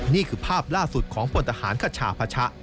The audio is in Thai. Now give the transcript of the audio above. นี่คือภาพล่าสุดของพลทหารคชาพัชะ